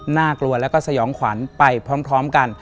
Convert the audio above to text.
น่ากลัวแล้วก็สยองขวัญไปพร้อมกัน